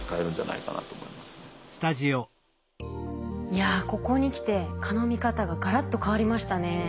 いやここに来て蚊の見方ががらっと変わりましたね。